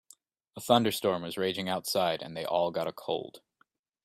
A thunderstorm was raging outside and they all got a cold.